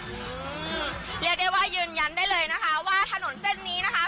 อืมเรียกได้ว่ายืนยันได้เลยนะคะว่าถนนเส้นนี้นะคะ